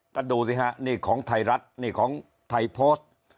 ท่านดูสิครับนี่ของไทรัฐนี่ของไทโพสต์